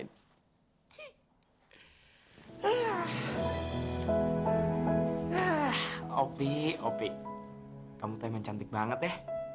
nah opi opi kamu temen cantik banget ya